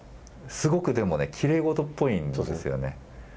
すごくでもね、きれいごとっぽいんですよね。